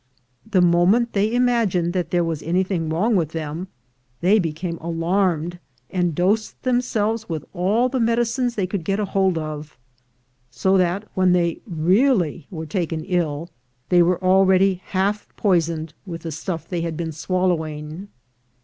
The moment they imagined that there was anything wrong with them, they became alarmed, and dosed themselves with all the medicines they could get hold of, so that when they really were taken ill, they were already half poisoned with the sturf they had been swallowing.